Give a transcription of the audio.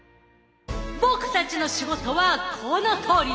僕たちの仕事はこのとおり！